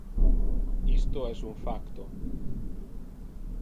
Isto es un facto.